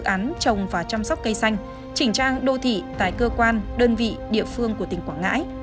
dự án trồng và chăm sóc cây xanh chỉnh trang đô thị tại cơ quan đơn vị địa phương của tỉnh quảng ngãi